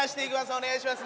お願いします。